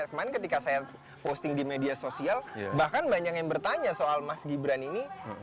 kemarin ketika saya posting di media sosial bahkan banyak yang bertanya soal mas gibran ini